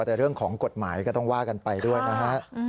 แต่เรื่องของกฎหมายก็ต้องว่ากันไปด้วยนะฮะ